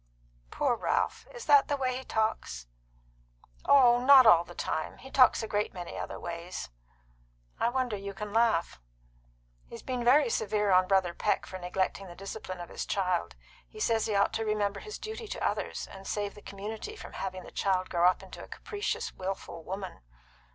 "Poor Ralph! Is that the way he talks?" "Oh, not all the time. He talks a great many other ways." "I wonder you can laugh." "He's been very severe on Brother Peck for neglecting the discipline of his child. He says he ought to remember his duty to others, and save the community from having the child grow up into a capricious, wilful woman.